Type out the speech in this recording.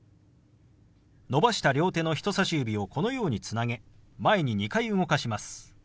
伸ばした両手の人さし指をこのようにつなげ前に２回動かします。